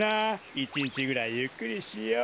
１にちぐらいゆっくりしよう。